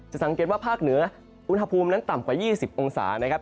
สังเกตว่าภาคเหนืออุณหภูมินั้นต่ำกว่า๒๐องศานะครับ